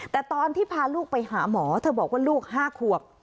แต่ตอนที่พาลูกไปหาหมอเธอบอกว่าลูก๕ขวบ